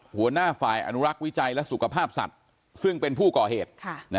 หัวหน้าฝ่ายอนุรักษ์วิจัยและสุขภาพสัตว์ซึ่งเป็นผู้ก่อเหตุ